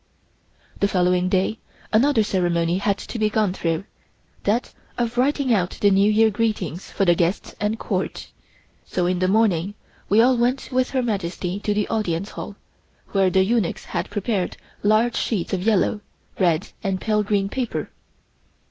The following day another ceremony had to be gone through, that of writing out the New Year Greetings for the guests and Court, so in the morning we all went with Her Majesty to the Audience Hall, where the eunuchs had prepared large sheets of yellow, red and pale green paper.